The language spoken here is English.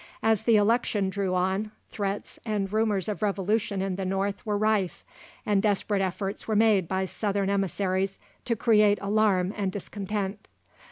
As the election drew on, threats and rumours of revolution in the North were rife, and desperate efforts were made by Southern emissaries to create alarm and discontent.